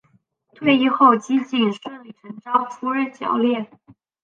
退役后基瑾顺理成章出任教练。